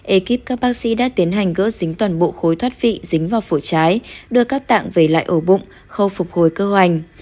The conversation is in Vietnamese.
ekip các bác sĩ đã tiến hành gỡ dính toàn bộ khối thoát vị dính vào phổi trái đưa các tạng về lại ổ bụng khâu phục hồi cơ hoành